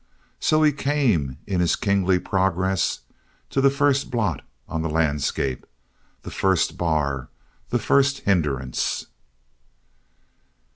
So he came in his kingly progress to the first blot on the landscape, the first bar, the first hindrance.